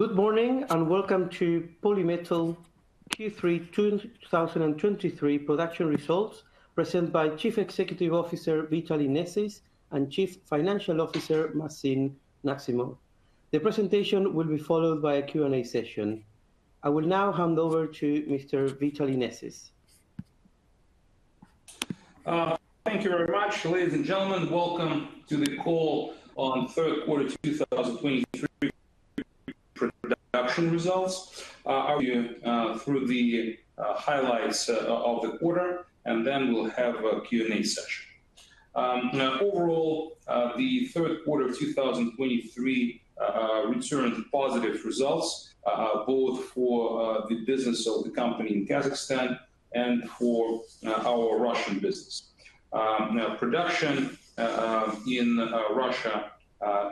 Good morning, and welcome to Polymetal Q3 2023 Production Results, presented by Chief Executive Officer, Vitaly Nesis, and Chief Financial Officer, Maxim Nazimok. The presentation will be followed by a Q&A session. I will now hand over to Mr. Vitaly Nesis. Thank you very much, ladies, and gentlemen. Welcome to the call on Third Quarter 2023 Production Results. I'll take you through the highlights of the quarter, and then we'll have a Q&A session. Now, overall, the third quarter of 2023 returned positive results, both for the business of the company in Kazakhstan and for our Russian business. Now, production in Russia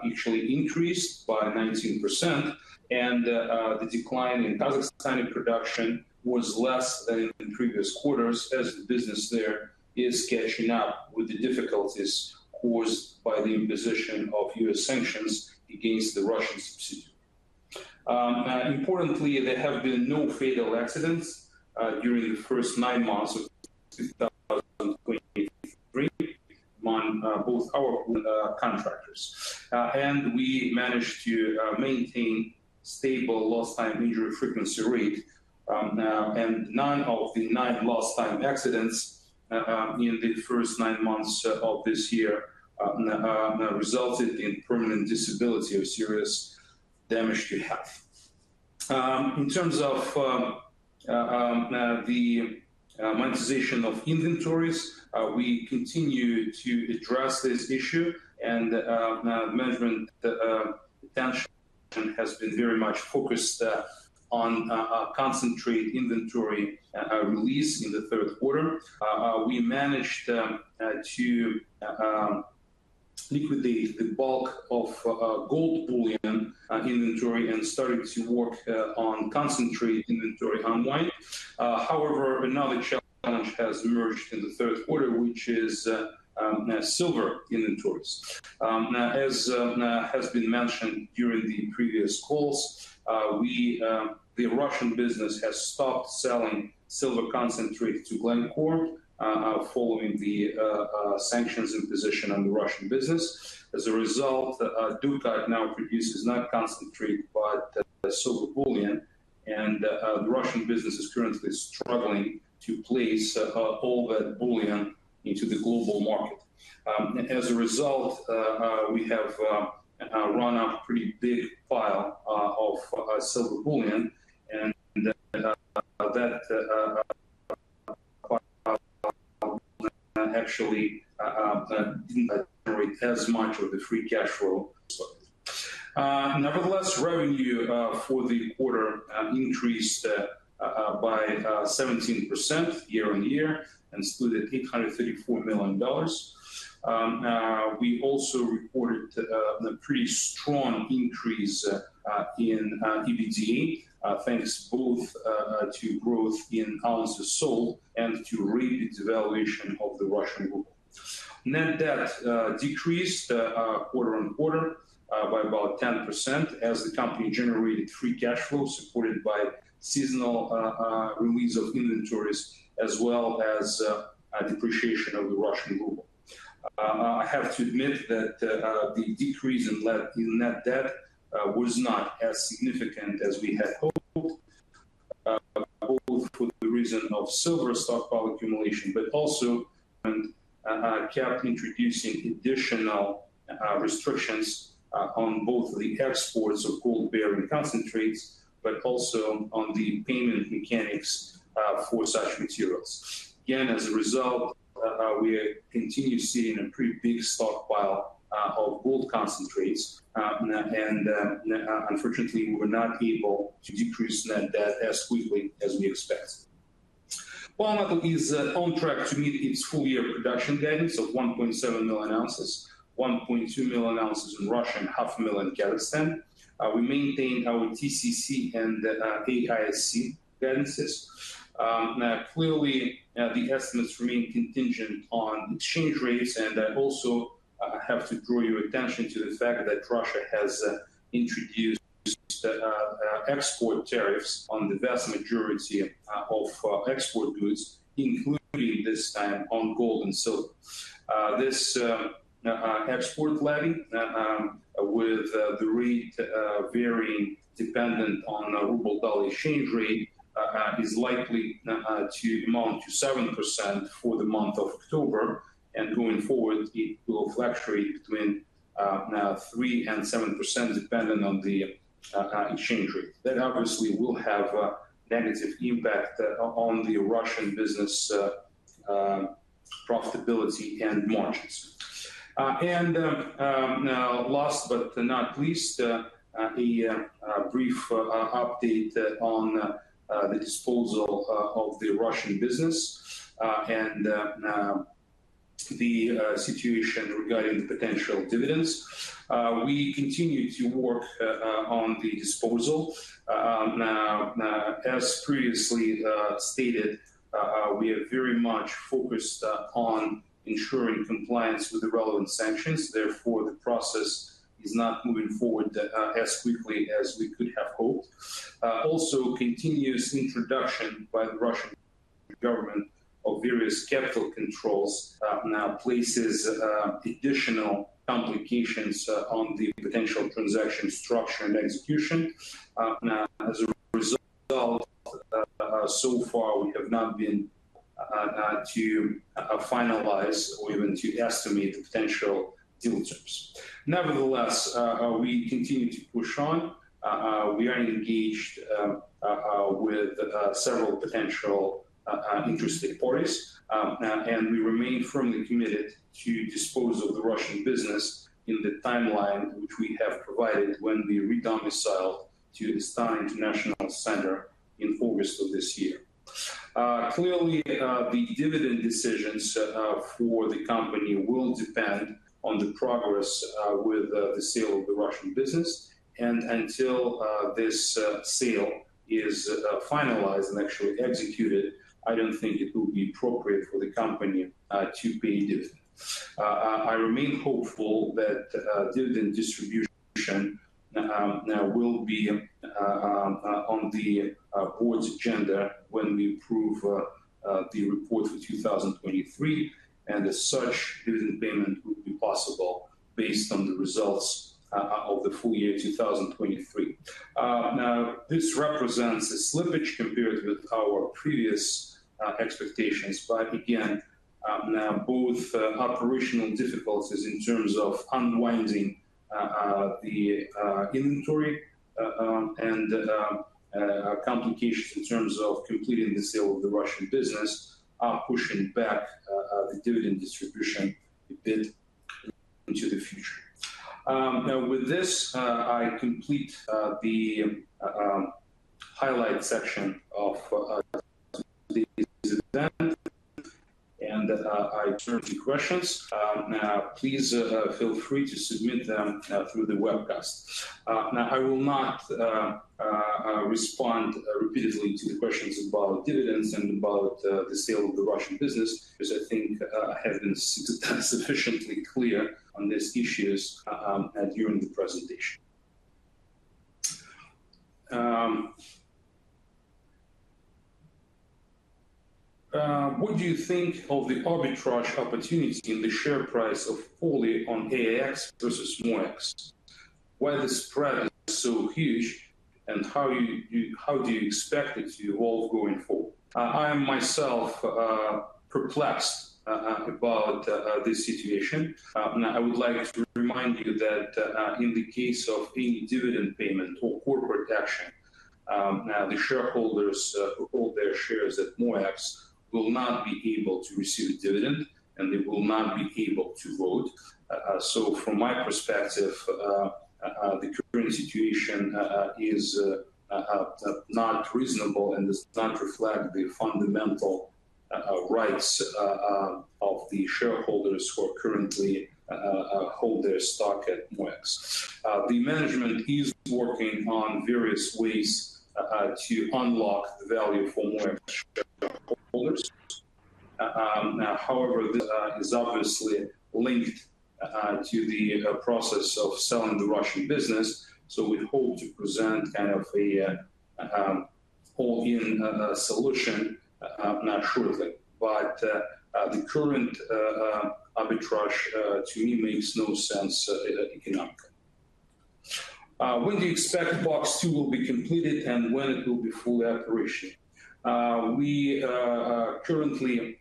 actually increased by 19%, and the decline in Kazakhstan in production was less than in previous quarters as the business there is catching up with the difficulties caused by the imposition of U.S. sanctions against the Russian subsidiary. Importantly, there have been no fatal accidents during the first nine months of 2023 among both our contractors. And we managed to maintain stable lost time injury frequency rate, now, and none of the nine lost time accidents in the first nine months of this year resulted in permanent disability or serious damage to health. In terms of the monetization of inventories, we continue to address this issue, and management attention has been very much focused on concentrate inventory release in the third quarter. We managed to liquidate the bulk of gold bullion inventory and started to work on concentrate inventory unwind. However, another challenge has emerged in the third quarter, which is silver inventories. As has been mentioned during the previous calls, we, the Russian business, have stopped selling silver concentrate to Glencore following the sanctions imposition on the Russian business. As a result, Dukat now produces not concentrate, but silver bullion, and the Russian business is currently struggling to place all that bullion into the global market. As a result, we have run a pretty big file of silver bullion, and that actually, as much of the free cash flow. Nevertheless, revenue for the quarter increased by 17% year-over-year and stood at $834 million. We also reported a pretty strong increase in EBITDA, thanks both to growth in ounces sold and to revaluation of the Russian ruble. Net debt decreased quarter-on-quarter by about 10% as the company generated free cash flow, supported by seasonal release of inventories, as well as a depreciation of the Russian ruble. I have to admit that the decrease in net debt was not as significant as we had hoped, both for the reason of silver stockpile accumulation, but also and kept introducing additional restrictions on both the exports of gold-bearing concentrates, but also on the payment mechanics for such materials. Again, as a result, we continue seeing a pretty big stockpile of gold concentrates. Unfortunately, we were not able to decrease net debt as quickly as we expected. Polymetal is on track to meet its full year production guidance of 1.7 million oz, 1.2 million oz in Russia, and 0.5 million in Kazakhstan. We maintain our TCC and AISC guidance. Clearly, the estimates remain contingent on exchange rates, and I also have to draw your attention to the fact that Russia has introduced export tariffs on the vast majority of export goods, including this time on gold and silver. This export levy with the rate varying dependent on ruble-dollar exchange rate is likely to amount to 7% for the month of October, and going forward, it will fluctuate between 3%-7%, dependent on the exchange rate. That obviously will have a negative impact on the Russian business profitability and margins. And last but not least, a brief update on the disposal of the Russian business, and the situation regarding the potential dividends. We continue to work on the disposal. As previously stated, we are very much focused on ensuring compliance with the relevant sanctions. Therefore, the process is not moving forward as quickly as we could have hoped. Also, continuous introduction by the Russian Government of various capital controls now places additional complications on the potential transaction structure and execution. Now, as a result, so far, we have not been able to finalize or even to estimate the potential deal terms. Nevertheless, we continue to push on. We are engaged with several potential interested parties. And we remain firmly committed to dispose of the Russian business in the timeline which we have provided when we re-domiciled to the Astana International Financial Centre in August of this year. Clearly, the dividend decisions for the company will depend on the progress with the sale of the Russian business. Until this sale is finalized and actually executed, I don't think it would be appropriate for the company to pay a dividend. I remain hopeful that dividend distribution will be on the board's agenda when we approve the report for 2023, and as such, dividend payment would be possible based on the results of the full year 2023. Now, this represents a slippage compared with our previous expectations, but again, now both operational difficulties in terms of unwinding the inventory and complications in terms of completing the sale of the Russian business are pushing back the dividend distribution a bit into the future. Now with this, I complete the highlight section, and I turn to questions. Now, please feel free to submit them through the webcast. Now, I will not respond repeatedly to the questions about dividends and about the sale of the Russian business, because I think I have been sufficiently clear on these issues during the presentation. What do you think of the arbitrage opportunity in the share price of Polymetal on AIX versus MOEX? Why the spread is so huge, and how do you expect it to evolve going forward? I am myself perplexed about this situation. Now, I would like to remind you that in the case of any dividend payment or corporate action, now, the shareholders who hold their shares at MOEX will not be able to receive a dividend, and they will not be able to vote. So from my perspective, the current situation is not reasonable and does not reflect the fundamental rights of the shareholders who are currently hold their stock at MOEX. The management is working on various ways to unlock the value for MOEX shareholders. Now, however, this is obviously linked to the process of selling the Russian business, so we hope to present kind of a all-in solution. I'm not sure of it, but the current arbitrage to me makes no sense economically. When do you expect POX-2 will be completed, and when it will be full operation? We currently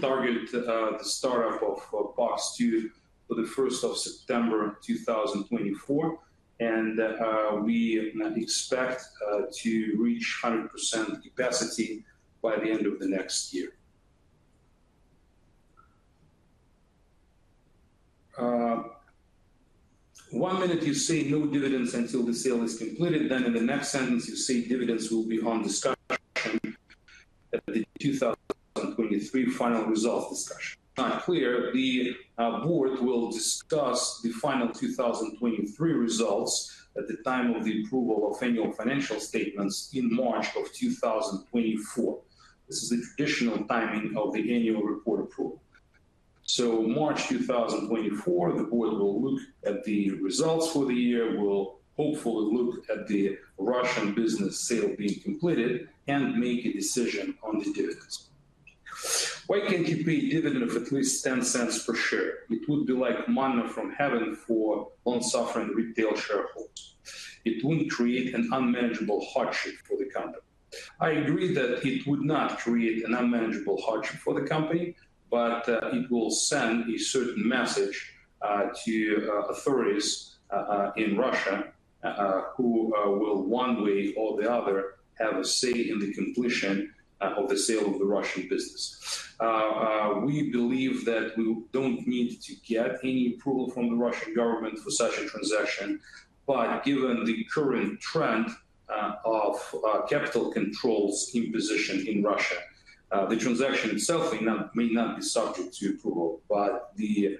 target the startup of POX-2 for the first of September 2024, and we expect to reach 100% capacity by the end of the next year. One minute you say no dividends until the sale is completed, then in the next sentence, you say dividends will be on discussion at the 2023 final results discussion. Clear, the board will discuss the final 2023 results at the time of the approval of annual financial statements in March 2024. This is the traditional timing of the annual report approval. March 2024, the board will look at the results for the year, will hopefully look at the Russian business sale being completed and make a decision on the dividends. Why can't you pay dividend of at least $0.10 per share? It would be like manna from heaven for long-suffering retail shareholders. It wouldn't create an unmanageable hardship for the company. I agree that it would not create an unmanageable hardship for the company, but it will send a certain message to authorities in Russia who will one way or the other have a say in the completion of the sale of the Russian business. We believe that we don't need to get any approval from the Russian Government for such a transaction, but given the current trend of capital controls imposition in Russia, the transaction itself may not be subject to approval, but the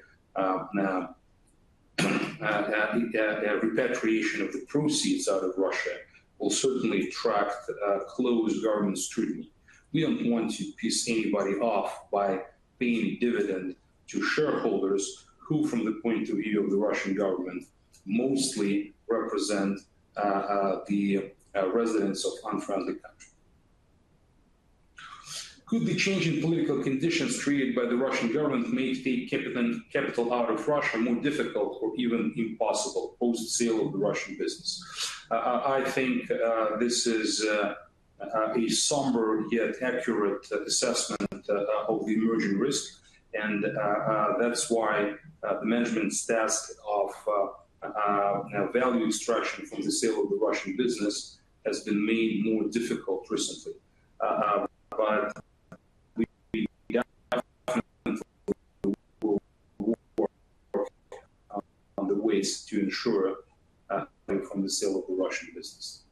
repatriation of the proceeds out of Russia will certainly attract close government scrutiny. We don't want to piss anybody off by paying a dividend to shareholders who, from the point of view of the Russian Government, mostly represent the residents of unfriendly countries.... Could the changing political conditions created by the Russian Government make taking capital out of Russia more difficult or even impossible post-sale of the Russian business? I think this is a somber yet accurate assessment of the emerging risk. That's why the management's task of value extraction from the sale of the Russian business has been made more difficult recently. But we are on the ways to ensure from the sale of the Russian business.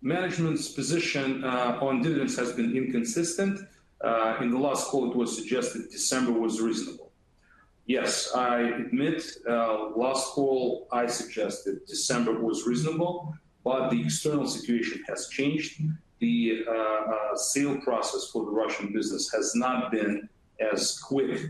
Management's position on dividends has been inconsistent. In the last call, it was suggested December was reasonable. Yes, I admit, last call, I suggested December was reasonable, but the external situation has changed. The sale process for the Russian business has not been as quick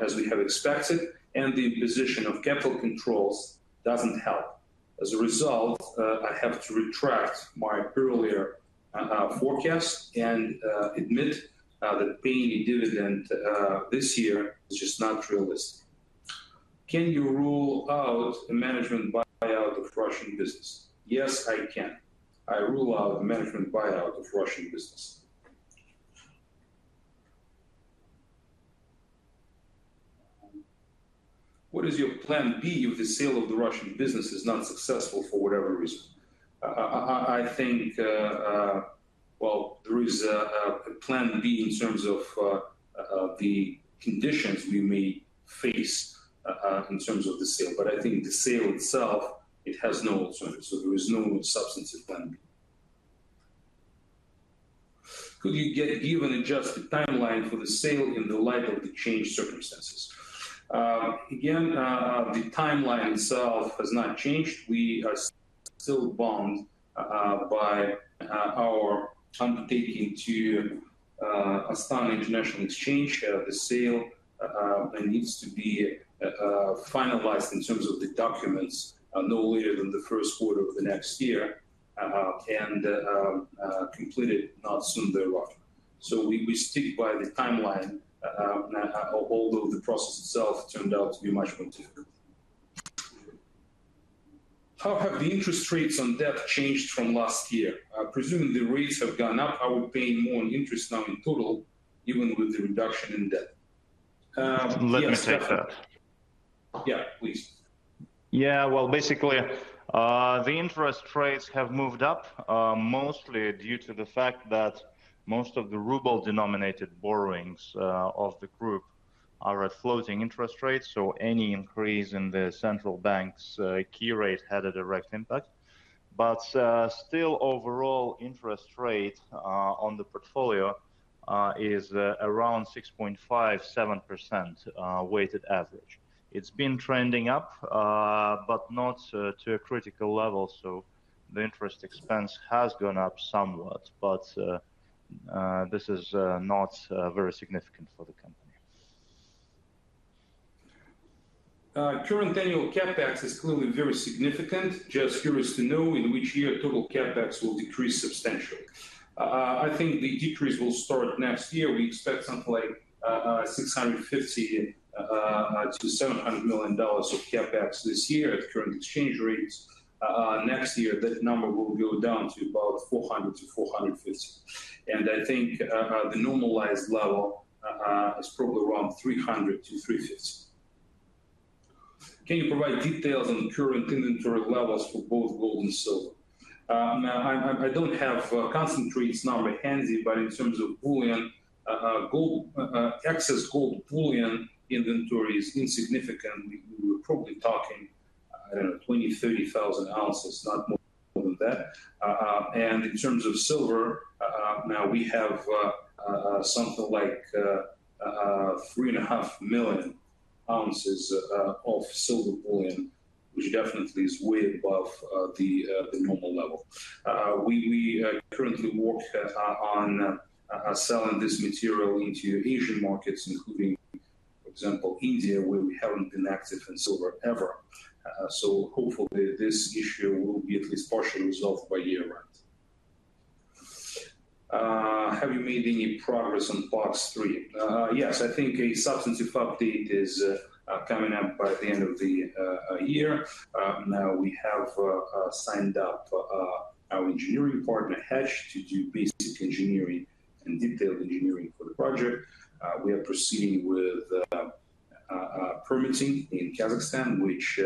as we have expected, and the imposition of capital controls doesn't help. As a result, I have to retract my earlier forecast and admit that paying a dividend this year is just not realistic. Can you rule out a management buyout of Russian business? Yes, I can. I rule out management buyout of Russian business. What is your plan B if the sale of the Russian business is not successful for whatever reason? I think, well, there is a plan B in terms of the conditions we may face in terms of the sale. But I think the sale itself, it has no alternative, so there is no substantive plan B. Could you give an adjusted timeline for the sale in the light of the changed circumstances? Again, the timeline itself has not changed. We are still bound by our undertaking to Astana International Exchange. The sale needs to be finalized in terms of the documents no later than the first quarter of the next year, and completed soon thereafter. So we stick by the timeline, although the process itself turned out to be much more difficult. How have the interest rates on debt changed from last year? Presumably, rates have gone up. Are we paying more on interest now in total, even with the reduction in debt? Yes- Let me take that. Yeah, please. Yeah, well, basically, the interest rates have moved up, mostly due to the fact that most of the ruble-denominated borrowings of the group are at floating interest rates, so any increase in the central bank's key rate had a direct impact. But still, overall interest rate on the portfolio is around 6.5%-7% weighted average. It's been trending up, but not to a critical level. So the interest expense has gone up somewhat, but this is not very significant for the company. Current annual CapEx is clearly very significant. Just curious to know in which year total CapEx will decrease substantially? I think the decrease will start next year. We expect something like $650 million-$700 million of CapEx this year at current exchange rates. Next year, that number will go down to about $400 million-$450 million. I think the normalized level is probably around $300 million-$350 million. Can you provide details on current inventory levels for both gold and silver? I don't have concentrates number handy, but in terms of bullion, gold, excess gold bullion inventory is insignificant. We're probably talking 20,000-30,000 oz, not more than that. In terms of silver, now we have something like 3.5 million oz of silver bullion, which definitely is way above the normal level. We currently work on selling this material into Asian markets, including, for example, India, where we haven't been active in silver ever. So hopefully, this issue will be at least partially resolved by year-end. Have you made any progress on POX-3? Yes, I think a substantive update is coming up by the end of the year. Now we have signed up our engineering partner, Hatch, to do basic engineering and detailed engineering for the project. We are proceeding with permitting in Kazakhstan, which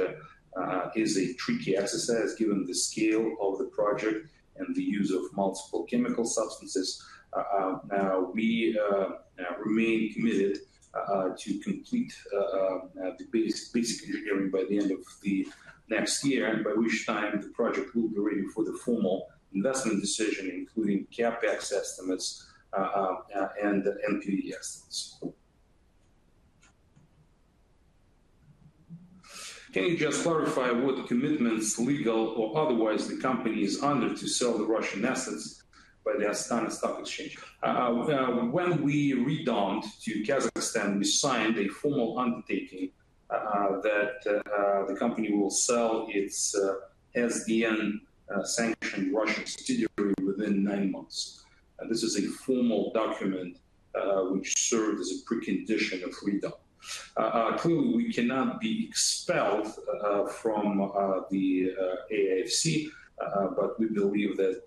is a tricky exercise given the scale of the project and the use of multiple chemical substances. Now we remain committed to complete the basic engineering by the end of the next year, and by which time the project will be ready for the formal investment decision, including CapEx estimates and the NPVs. Can you just clarify what commitments, legal or otherwise, the company is under to sell the Russian assets?... by the Astana International Exchange. When we redom to Kazakhstan, we signed a formal undertaking that the company will sell its SDN sanctioned Russian subsidiary within nine months. And this is a formal document which served as a precondition of redom. Clearly, we cannot be expelled from the AIFC, but we believe that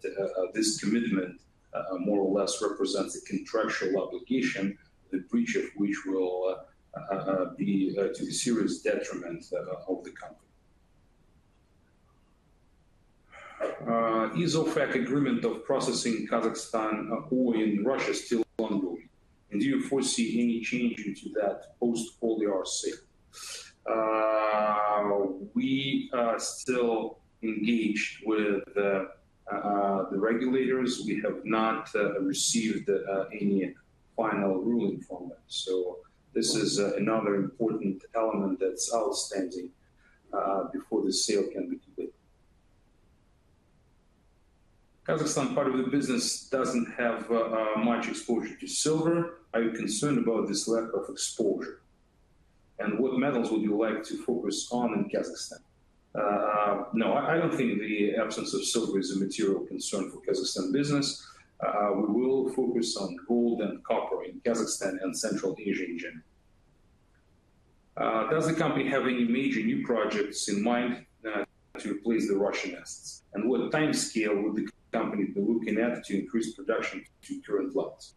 this commitment more or less represents a contractual obligation, the breach of which will be to the serious detriment of the company. Is offtake agreement of processing Kazakhstan ore in Russia still ongoing, and do you foresee any changes to that post-Polymetal sale? We are still engaged with the regulators. We have not received any final ruling from them. So this is another important element that's outstanding before the sale can be completed. Kazakhstan part of the business doesn't have much exposure to silver. Are you concerned about this lack of exposure? And what metals would you like to focus on in Kazakhstan? No, I don't think the absence of silver is a material concern for Kazakhstan business. We will focus on gold and copper in Kazakhstan and Central Asia in general. Does the company have any major new projects in mind to replace the Russian assets? And what timescale would the company be looking at to increase production to current levels?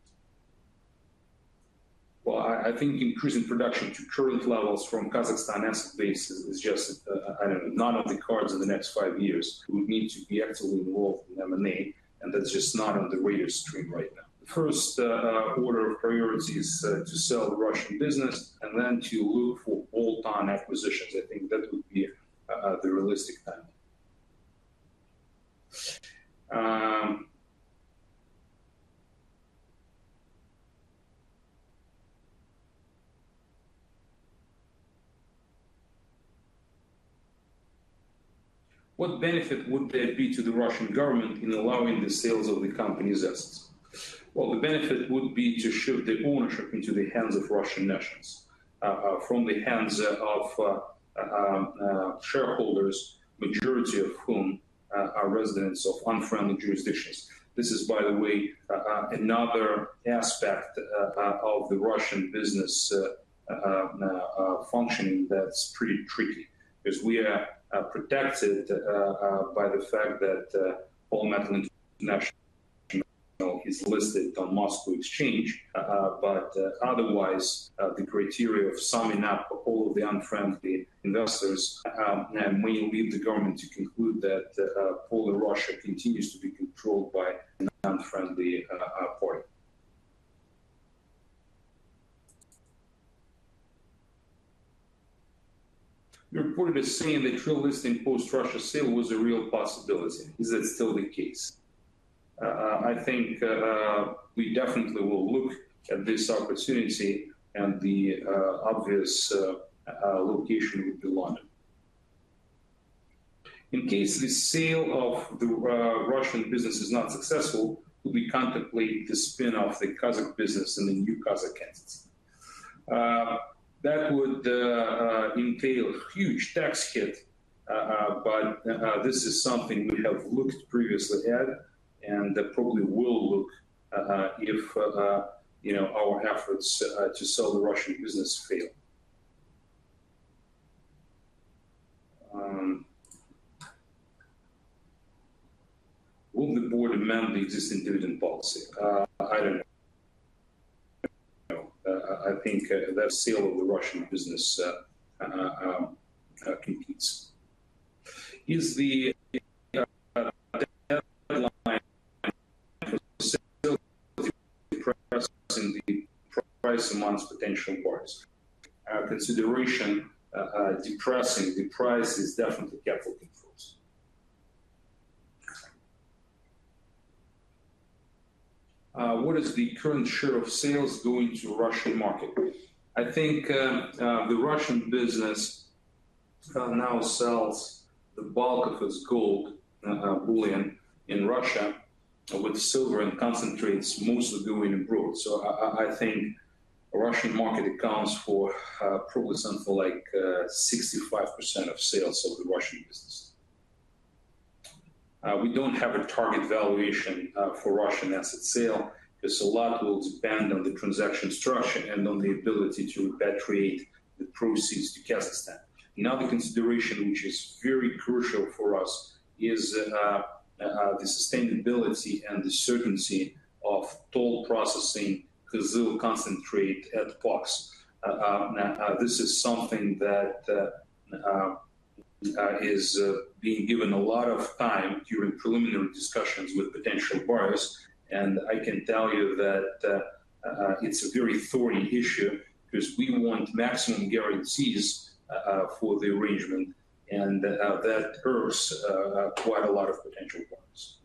Well, I think increasing production to current levels from Kazakhstan asset base is just, I don't know, not on the cards in the next five years. We would need to be actively involved in M&A, and that's just not on the radar screen right now. First order of priority is to sell the Russian business and then to look for bolt-on acquisitions. I think that would be the realistic time. Um... What benefit would there be to the Russian Government in allowing the sales of the company's assets? Well, the benefit would be to shift the ownership into the hands of Russian nationals, from the hands of, shareholders, majority of whom are residents of unfriendly jurisdictions. This is, by the way, another aspect of the Russian business functioning that's pretty tricky, because we are protected by the fact that Polymetal International is listed on Moscow Exchange. But otherwise, the criteria of summing up all of the unfriendly investors may lead the government to conclude that Polymetal Russia continues to be controlled by an unfriendly party. Your report is saying that dual listing post-Russia sale was a real possibility. Is that still the case? I think we definitely will look at this opportunity, and the obvious location would be London. In case the sale of the Russian business is not successful, would we contemplate the spin-off of the Kazakhstan business and the new Kazakhstan assets? That would entail a huge tax hit, but this is something we have looked previously at, and that probably will look if you know our efforts to sell the Russian business fail. Will the board amend the existing dividend policy? I don't know. I think that sale of the Russian business competes. Is the price amongst potential buyers? Consideration depressing the price is definitely capital controls. What is the current share of sales going to Russian market? I think the Russian business now sells the bulk of its gold bullion in Russia, with silver and concentrates mostly going abroad. So I think the Russian market accounts for probably something for like 65% of sales of the Russian business. We don't have a target valuation for Russian asset sale, because a lot will depend on the transaction structure and on the ability to repatriate the proceeds to Kazakhstan. Another consideration, which is very crucial for us, is the sustainability and the certainty of toll processing KAZ Minerals concentrate at POX. This is something that is being given a lot of time during preliminary discussions with potential buyers. I can tell you that it's a very thorny issue because we want maximum guarantees for the arrangement, and that hurts quite a lot of potential buyers.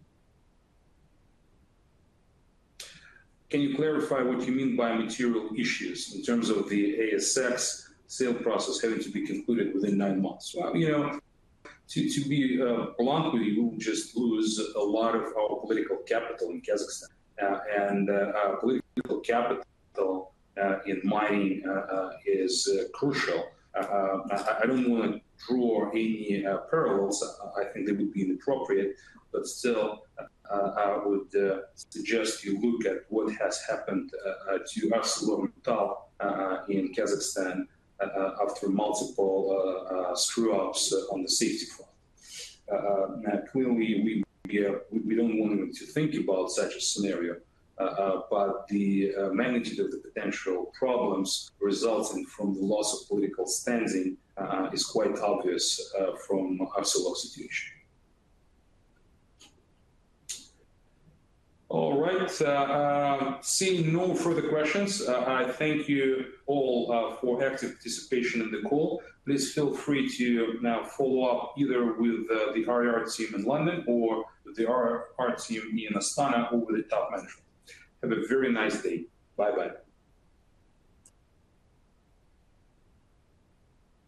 Can you clarify what you mean by material issues in terms of the AIX sale process having to be concluded within nine months? Well, you know, to be blunt with you, we'll just lose a lot of our political capital in Kazakhstan. And our political capital in mining is crucial. I don't want to draw any parallels. I think that would be inappropriate, but still, I would suggest you look at what has happened to ArcelorMittal in Kazakhstan after multiple screw-ups on the safety front. Clearly, we don't want to think about such a scenario, but the magnitude of the potential problems resulting from the loss of political standing is quite obvious from Arcelor situation. All right. Seeing no further questions, I thank you all for active participation in the call. Please feel free to now follow up either with the IR team in London or the IR team in Astana or with the top management. Have a very nice day. Bye-bye.